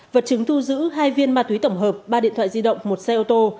vật chứng thu giữ hai viên ma túy tổng hợp ba điện thoại di động một xe ô tô